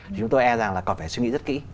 chúng tôi e rằng là còn phải suy nghĩ rất kỹ